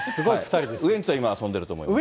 ウエンツは今、遊んでいると思います。